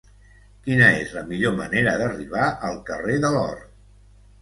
Quina és la millor manera d'arribar al carrer de l'Or?